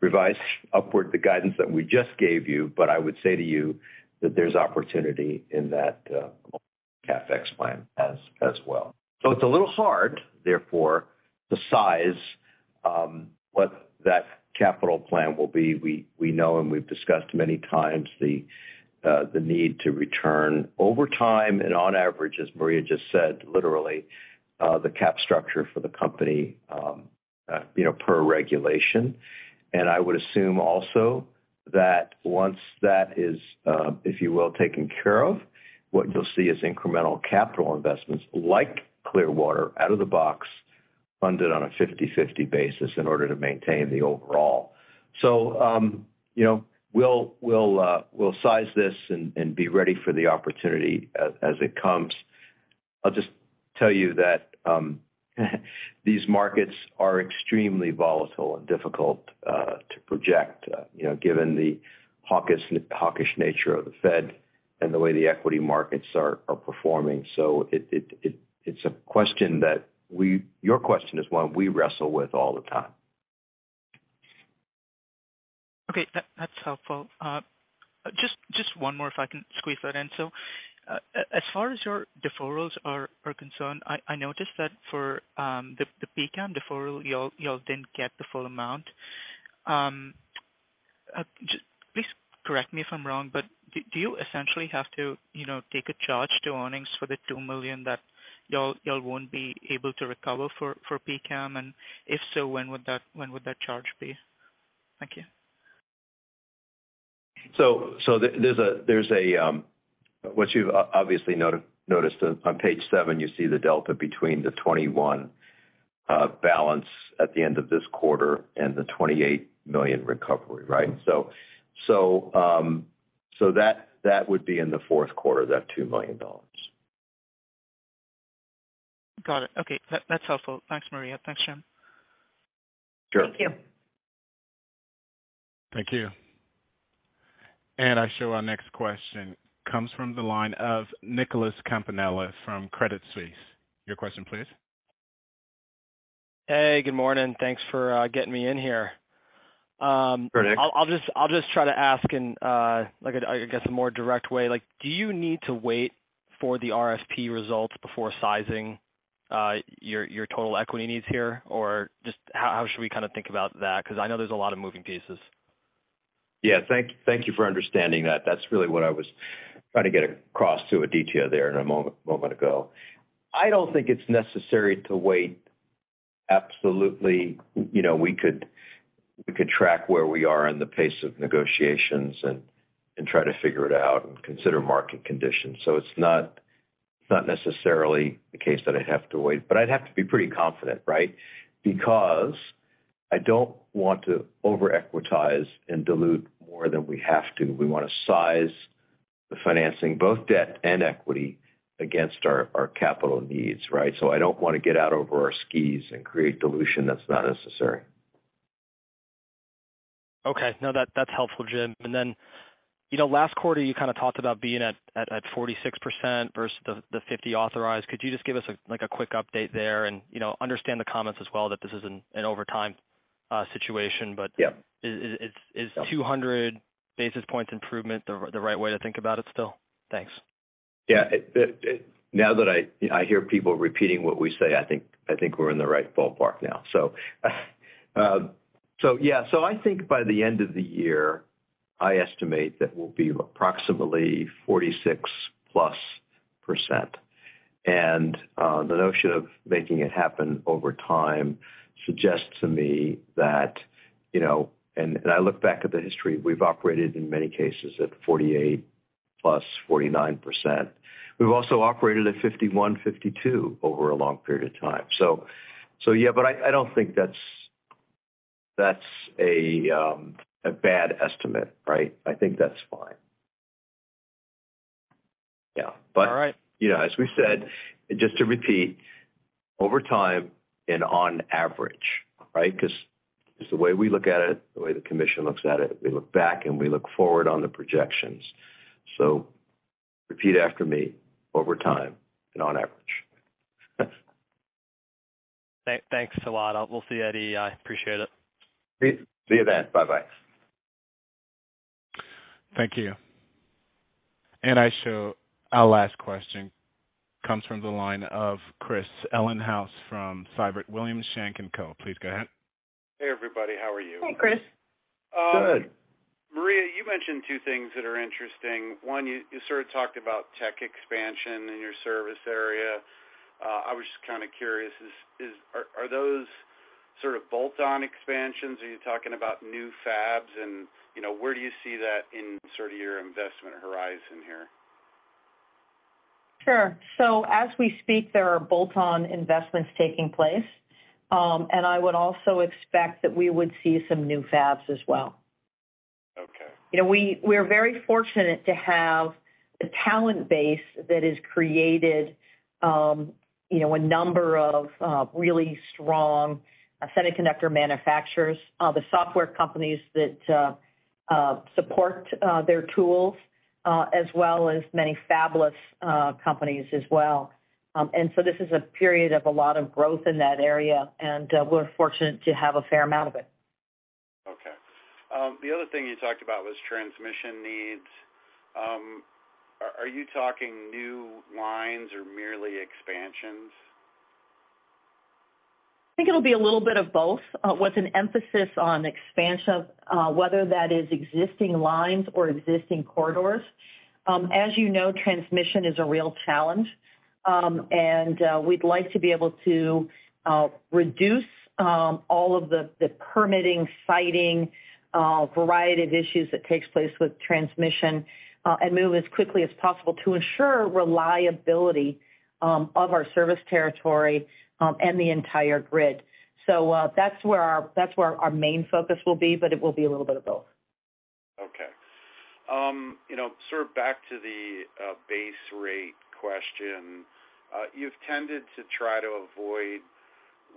revise upward the guidance that we just gave you, but I would say to you that there's opportunity in that CapEx plan as well. It's a little hard, therefore, to size what that capital plan will be. We know and we've discussed many times the need to return over time and on average, as Maria just said, literally the capital structure for the company, you know, per regulation. I would assume also that once that is, if you will, taken care of, what you'll see is incremental capital investments like Clearwater out of the box, funded on a 50/50 basis in order to maintain the overall. You know, we'll size this and be ready for the opportunity as it comes. I'll just tell you that these markets are extremely volatile and difficult to project, you know, given the hawkish nature of the Fed and the way the equity markets are performing. It's a question that we. Your question is one we wrestle with all the time. Okay. That's helpful. Just one more, if I can squeeze that in. As far as your deferrals are concerned, I noticed that for the PCAM deferral, y'all didn't get the full amount. Just please correct me if I'm wrong, but do you essentially have to, you know, take a charge to earnings for the $2 million that y'all won't be able to recover for PCAM? And if so, when would that charge be? Thank you. What you've obviously noticed on page seven, you see the delta between the $21 million balance at the end of this quarter and the $28 million recovery, right? That would be in the fourth quarter, $2 million. Got it. Okay. That, that's helpful. Thanks, Maria. Thanks, Jim. Sure. Thank you. Thank you. I show our next question comes from the line of Nicholas Campanella from Credit Suisse. Your question please. Hey, good morning. Thanks for getting me in here. Good day. I'll just try to ask in like I guess a more direct way. Like, do you need to wait for the RFP results before sizing your total equity needs here? Or just how should we kind of think about that? 'Cause I know there's a lot of moving pieces. Yeah. Thank you for understanding that. That's really what I was trying to get across to Aditya there in a moment ago. I don't think it's necessary to wait. Absolutely, you know, we could track where we are in the pace of negotiations and try to figure it out and consider market conditions. It's not necessarily the case that I'd have to wait, but I'd have to be pretty confident, right? Because I don't want to over-equitize and dilute more than we have to. We wanna size the financing, both debt and equity, against our capital needs, right? I don't wanna get out over our skis and create dilution that's not necessary. Okay. No, that's helpful, Jim. Then, you know, last quarter, you kind of talked about being at 46% versus the 50 authorized. Could you just give us, like, a quick update there and, you know, understand the comments as well that this is an over time situation. Yeah. Is 200 basis points improvement the right way to think about it still? Thanks. Yeah, now that I hear people repeating what we say, I think we're in the right ballpark now. Yeah. I think by the end of the year, I estimate that we'll be approximately 46+%. The notion of making it happen over time suggests to me that, you know, I look back at the history. We've operated, in many cases, at 48+, 49%. We've also operated at 51-52 over a long period of time. Yeah. I don't think that's a bad estimate, right? I think that's fine. Yeah. All right. You know, as we said, just to repeat, over time and on average, right? 'Cause it's the way we look at it, the way the commission looks at it, we look back and we look forward on the projections. Repeat after me, over time and on average. Thanks a lot. We'll see you at EI. Appreciate it. Great. See you then. Bye-bye. Thank you. I show our last question comes from the line of Chris Ellinghaus from Siebert Williams Shank & Co. Please go ahead. Hey, everybody. How are you? Hey, Chris. Good. Maria, you mentioned two things that are interesting. One, you sort of talked about tech expansion in your service area. I was just kind of curious. Are those sort of bolt-on expansions? Are you talking about new fabs? You know, where do you see that in sort of your investment horizon here? Sure. As we speak, there are bolt-on investments taking place. I would also expect that we would see some new fabs as well. Okay. You know, we're very fortunate to have the talent base that has created, you know, a number of really strong semiconductor manufacturers, the software companies that support their tools, as well as many fabless companies as well. This is a period of a lot of growth in that area, and we're fortunate to have a fair amount of it. Okay. The other thing you talked about was transmission needs. Are you talking new lines or merely expansions? I think it'll be a little bit of both, with an emphasis on expansion, whether that is existing lines or existing corridors. As you know, transmission is a real challenge. We'd like to be able to reduce all of the permitting, siting, variety of issues that takes place with transmission, and move as quickly as possible to ensure reliability of our service territory, and the entire grid. That's where our main focus will be, but it will be a little bit of both. Okay. You know, sort of back to the base rate question. You've tended to try to avoid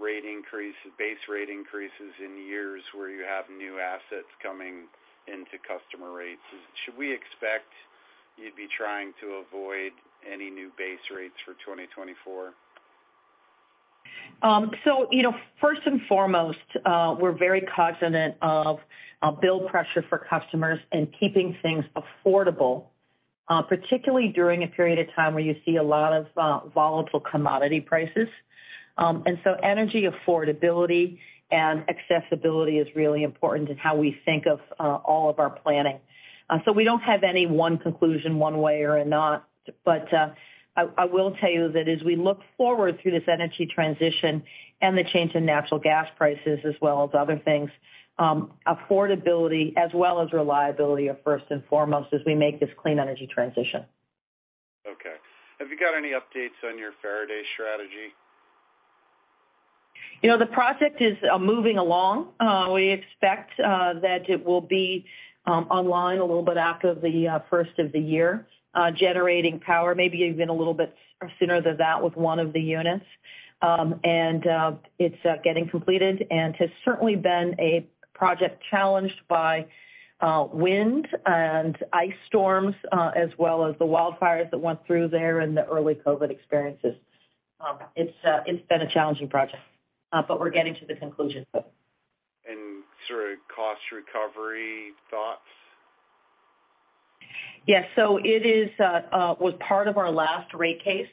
base rate increases in years where you have new assets coming into customer rates. Should we expect you'd be trying to avoid any new base rates for 2024? You know, first and foremost, we're very cognizant of bill pressure for customers and keeping things affordable, particularly during a period of time where you see a lot of volatile commodity prices. Energy affordability and accessibility is really important in how we think of all of our planning. We don't have any one conclusion one way or another. I will tell you that as we look forward through this energy transition and the change in natural gas prices as well as other things, affordability as well as reliability are first and foremost as we make this clean energy transition. Okay. Have you got any updates on your Faraday strategy? You know, the project is moving along. We expect that it will be online a little bit after the first of the year, generating power, maybe even a little bit sooner than that with one of the units. It's getting completed and has certainly been a project challenged by wind and ice storms, as well as the wildfires that went through there in the early COVID experiences. It's been a challenging project, but we're getting to the conclusion. Sort of cost recovery thoughts? Yes. It was part of our last rate case.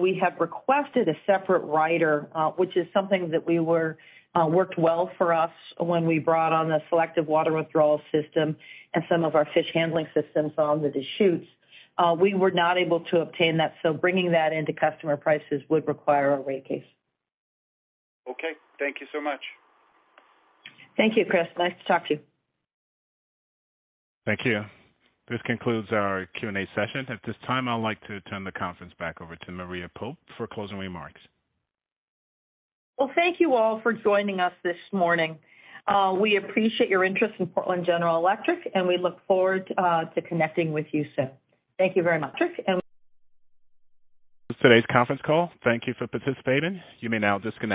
We have requested a separate rider, which is something that worked well for us when we brought on the selective water withdrawal system and some of our fish handling systems on the Deschutes. We were not able to obtain that, so bringing that into customer prices would require a rate case. Okay. Thank you so much. Thank you, Chris. Nice to talk to you. Thank you. This concludes our Q&A session. At this time, I'd like to turn the conference back over to Maria Pope for closing remarks. Well, thank you all for joining us this morning. We appreciate your interest in Portland General Electric, and we look forward to connecting with you soon. Thank you very much. This is today's conference call. Thank you for participating. You may now disconnect.